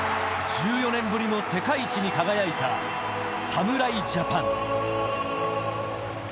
１４年ぶりの世界一に輝いた侍ジャパン。